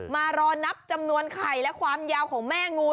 มารอนับจำนวนไข่และความยาวของแม่งู